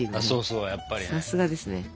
そうそうやっぱりね。